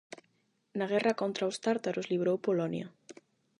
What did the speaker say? Na guerra contra os tártaros liberou Polonia.